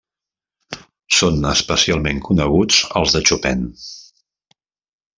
Són especialment coneguts els de Chopin.